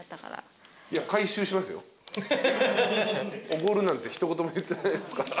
おごるなんて一言も言ってないですから。